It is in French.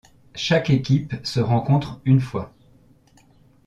Chaque équipe se rencontre une fois.